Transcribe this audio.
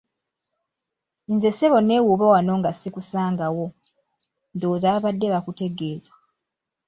Nze ssebo neewuba wano nga sikusangawo; ndowooza babadde bakutegeeza.